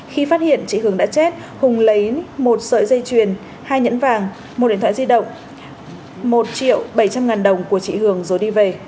khi phát hiện chị hường đã chết hùng lấy một sợi dây chuyền hai nhẫn vàng một điện thoại di động một triệu bảy trăm linh ngàn đồng của chị hường rồi đi về